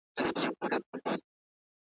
بیا ماشومانو ته بربنډي حوري `